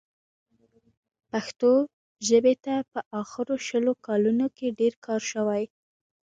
پښتو ژبې ته په اخرو شلو کالونو کې ډېر کار شوی.